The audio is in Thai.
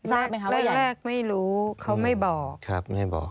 แรกไม่รู้เขาไม่บอก